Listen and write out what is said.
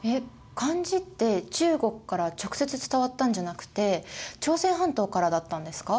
漢字って中国から直接伝わったんじゃなくて朝鮮半島からだったんですか？